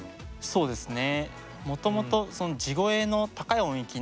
そうですね。